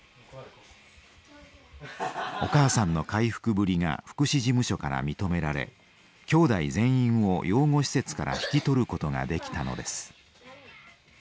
お母さんの回復ぶりが福祉事務所から認められ兄弟全員を養護施設から引き取ることができたのです。